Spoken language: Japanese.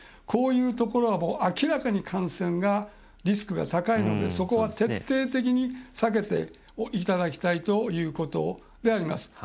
こういうところは明らかに感染がリスクが高いのでそこは徹底的に避けていただきたいということであります。